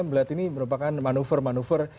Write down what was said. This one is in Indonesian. melihat ini merupakan manuver manuver